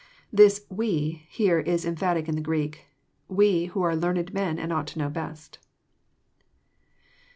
This " we " here Is emphatical in the Greek :" We, who are learned men, and ought to know best.'